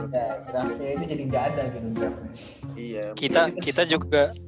draft nya itu jadi gak ada dengan draft nya